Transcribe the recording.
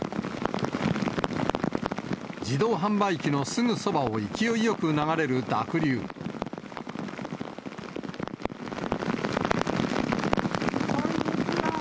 自動販売機のすぐそばを勢いよくこんにちは。